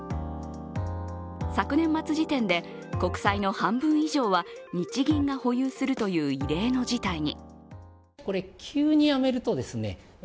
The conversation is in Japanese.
昨年末時点で、国債の半分以上は日銀が保有するという異例の事態に。